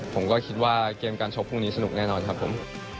ผมก็คิดว่าเกมการชกพรุ่งนี้สนุกแน่นอนครับผม